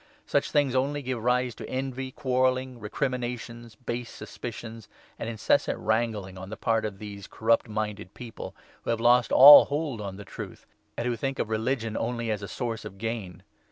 Such things only give rise to envy, quarrelling, recriminations, base suspicions, and incessant wrangling on 5 the part of these corrupt minded people who have lost all hold on the Truth, and who think of religion only as a source of gain.